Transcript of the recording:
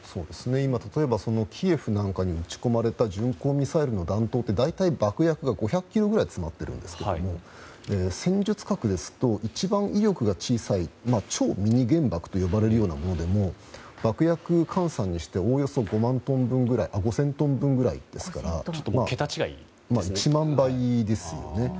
例えば、キーウなんかに撃ち込まれた巡航ミサイルの弾頭って大体、爆薬が５００ｋｇくらい詰まっているんですが戦術核ですと一番威力が小さい超ミニ原爆と呼ばれるようなものでも爆薬換算にしておおよそ５０００トン分ぐらいですから１万倍ですよね。